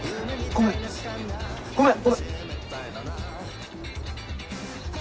ごめんごめん！